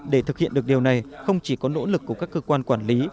để thực hiện được điều này không chỉ có nỗ lực của các cơ quan quản lý